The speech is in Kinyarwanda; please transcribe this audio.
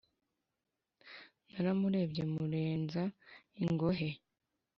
Naramurebye murenza ingohe.